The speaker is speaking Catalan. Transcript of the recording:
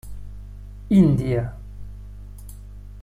Índia.